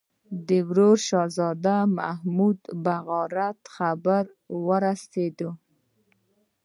د ورور شهزاده محمود د بغاوت خبر ورسېدی.